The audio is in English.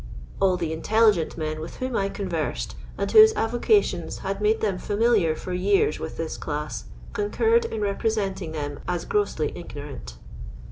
All the intelligent men with whom I conversed, and whose avocations had made them familiar for yean vrith this class, concurred in representing them as grossly ignorant.